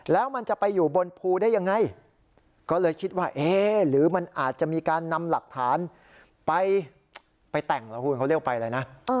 แล้วมันจะไปอยู่บนภูได้ยังไงก็เลยคิดว่าเอ๊ะหรือมันอาจจะมีการนำหลักฐานไปแต่งเหรอคุณเขาเรียกไปอะไรนะ